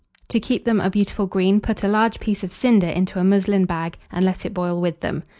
To keep them a beautiful green, put a large piece of cinder into a muslin bag, and let it boil with them.